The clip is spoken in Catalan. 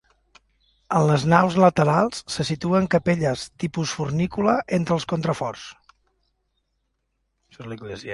En les naus laterals se situen capelles tipus fornícula entre els contraforts.